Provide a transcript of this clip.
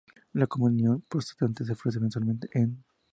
La Comunión Protestante se ofrece mensualmente en